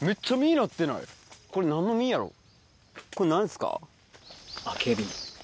これ何ですか？